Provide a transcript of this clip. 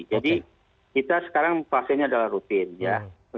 jadi kita sekarang fasilitannya adalah rutin ya